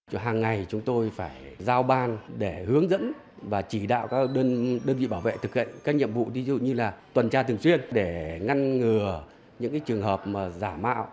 hàng ngày chúng tôi phải giao ban để hướng dẫn và chỉ đạo các đơn vị bảo vệ thực hiện các nhiệm vụ như tuần tra thường xuyên để ngăn ngừa những trường hợp giả mạo